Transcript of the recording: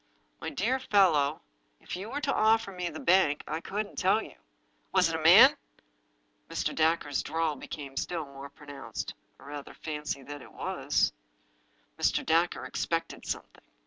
" My dear fellow, if you were to offer me the bank I couldn't tell you." "Was it a man?" Mr. Dacre's drawl became still more pronounced. " I rather fancy that it was." Mr. Dacre expected something.